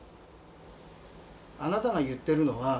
あなたが言ってるのは。